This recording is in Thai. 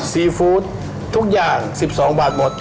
ซีฟู้ดทุกอย่าง๑๒บาทหมด